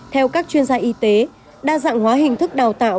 theo các chuyên gia y tế đa dạng hóa hình thức đào tạo